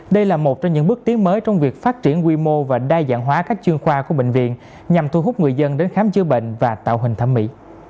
đây là một trong những bước tiến mới trong việc phát triển quy mô và đa dạng hóa các chương khoa của bệnh viện nhằm thu hút người dân đến khám chữa bệnh và tạo hình thẩm mỹ